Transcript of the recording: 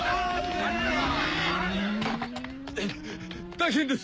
大変です！